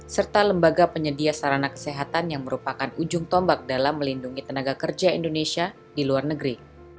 serta lembaga penyedia sarana kesehatan yang merupakan ujung tombak dalam melindungi tenaga kerja indonesia di luar negeri